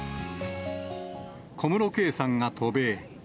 小室圭さんが渡米。